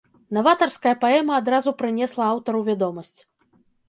Наватарская паэма адразу прынесла аўтару вядомасць.